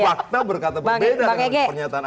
fakta berkata berbeda dengan pernyataan